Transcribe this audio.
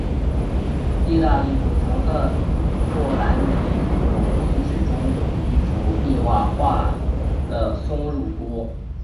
意大利古城赫库兰尼姆遗址中有一幅壁画中画了松乳菇。